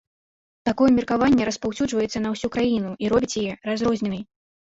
Такое меркаванне распаўсюджваецца на ўсю краіну і робіць яе разрозненай.